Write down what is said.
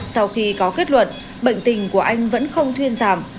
sau khi có kết luận bệnh tình của anh vẫn không thuyên giảm